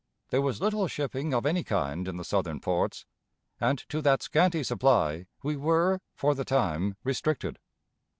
There was little shipping of any kind in the Southern ports, and to that scanty supply we were, for the time, restricted.